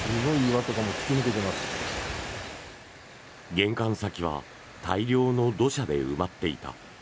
玄関先は大量の土砂で埋まっていた。